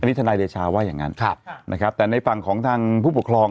อันนี้ทนายเดชาว่าอย่างนั้นนะครับแต่ในฝั่งของทางผู้ปกครอง